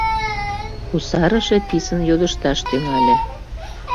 — кусарыше писын йодышташ тӱҥале.